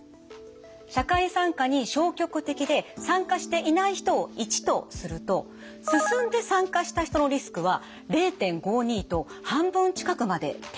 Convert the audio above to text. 社会参加に消極的で参加していない人を１とするとすすんで参加した人のリスクは０．５２と半分近くまで低下します。